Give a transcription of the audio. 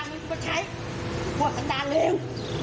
มันก็มาใช้พวกจะเป็นความเลว